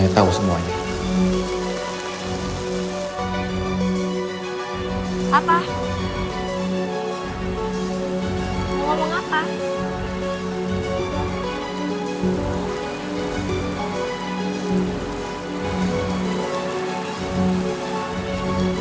gak sekarang kalian berdua dong